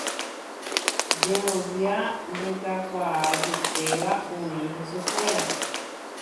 Jerovia ndekakuaajepéva oĩ hesekuéra.